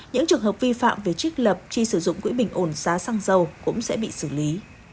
những trường hợp vi phạm về trích lập chi sử dụng quỹ bình ổn giá xăng dầu cũng sẽ bị xử lý